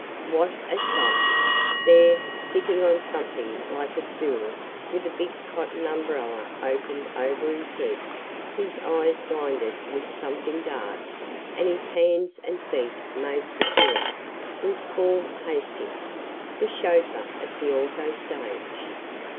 What a sight! There, sitting on something like a stool, with a big cotton umbrella opened over his head, his eyes blinded with something dark, and his hands and feet made secure, was Paul Hastings, the chauffeur of the auto stage.